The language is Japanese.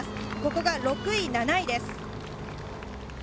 ここが６位、７位です。